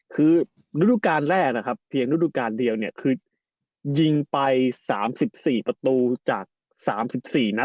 คือฤดูการแรกนะครับเพียงฤดูการเดียวเนี่ยคือยิงไป๓๔ประตูจาก๓๔นัด